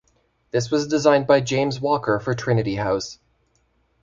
This was designed by James Walker for Trinity House